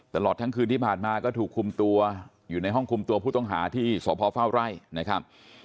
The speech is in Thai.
ตลอดทั้งคืนที่ผ่านมาก็ถูกคุมตัวอยู่ในห้องคุมตัวผู้ต้องหาที่สพเฝ้าไร่นะครับ